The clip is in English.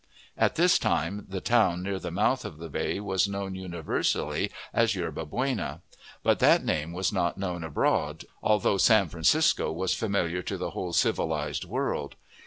At this time, the town near the mouth of the bay was known universally as Yerba Buena; but that name was not known abroad, although San Francisco was familiar to the whole civilized world.